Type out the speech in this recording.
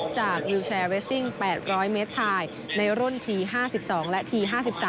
จากวิวแชร์เวสซิ่ง๘๐๐เมตรไทยในร่วมที๕๒และที๕๓